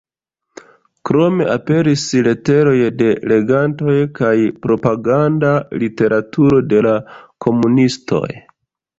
Krome aperis leteroj de legantoj kaj propaganda literaturo de la komunistoj.